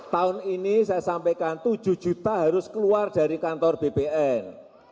tahun ini saya sampaikan tujuh juta harus keluar dari kantor bpn